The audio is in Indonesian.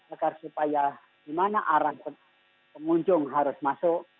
agar supaya gimana arah pengunjung harus masuk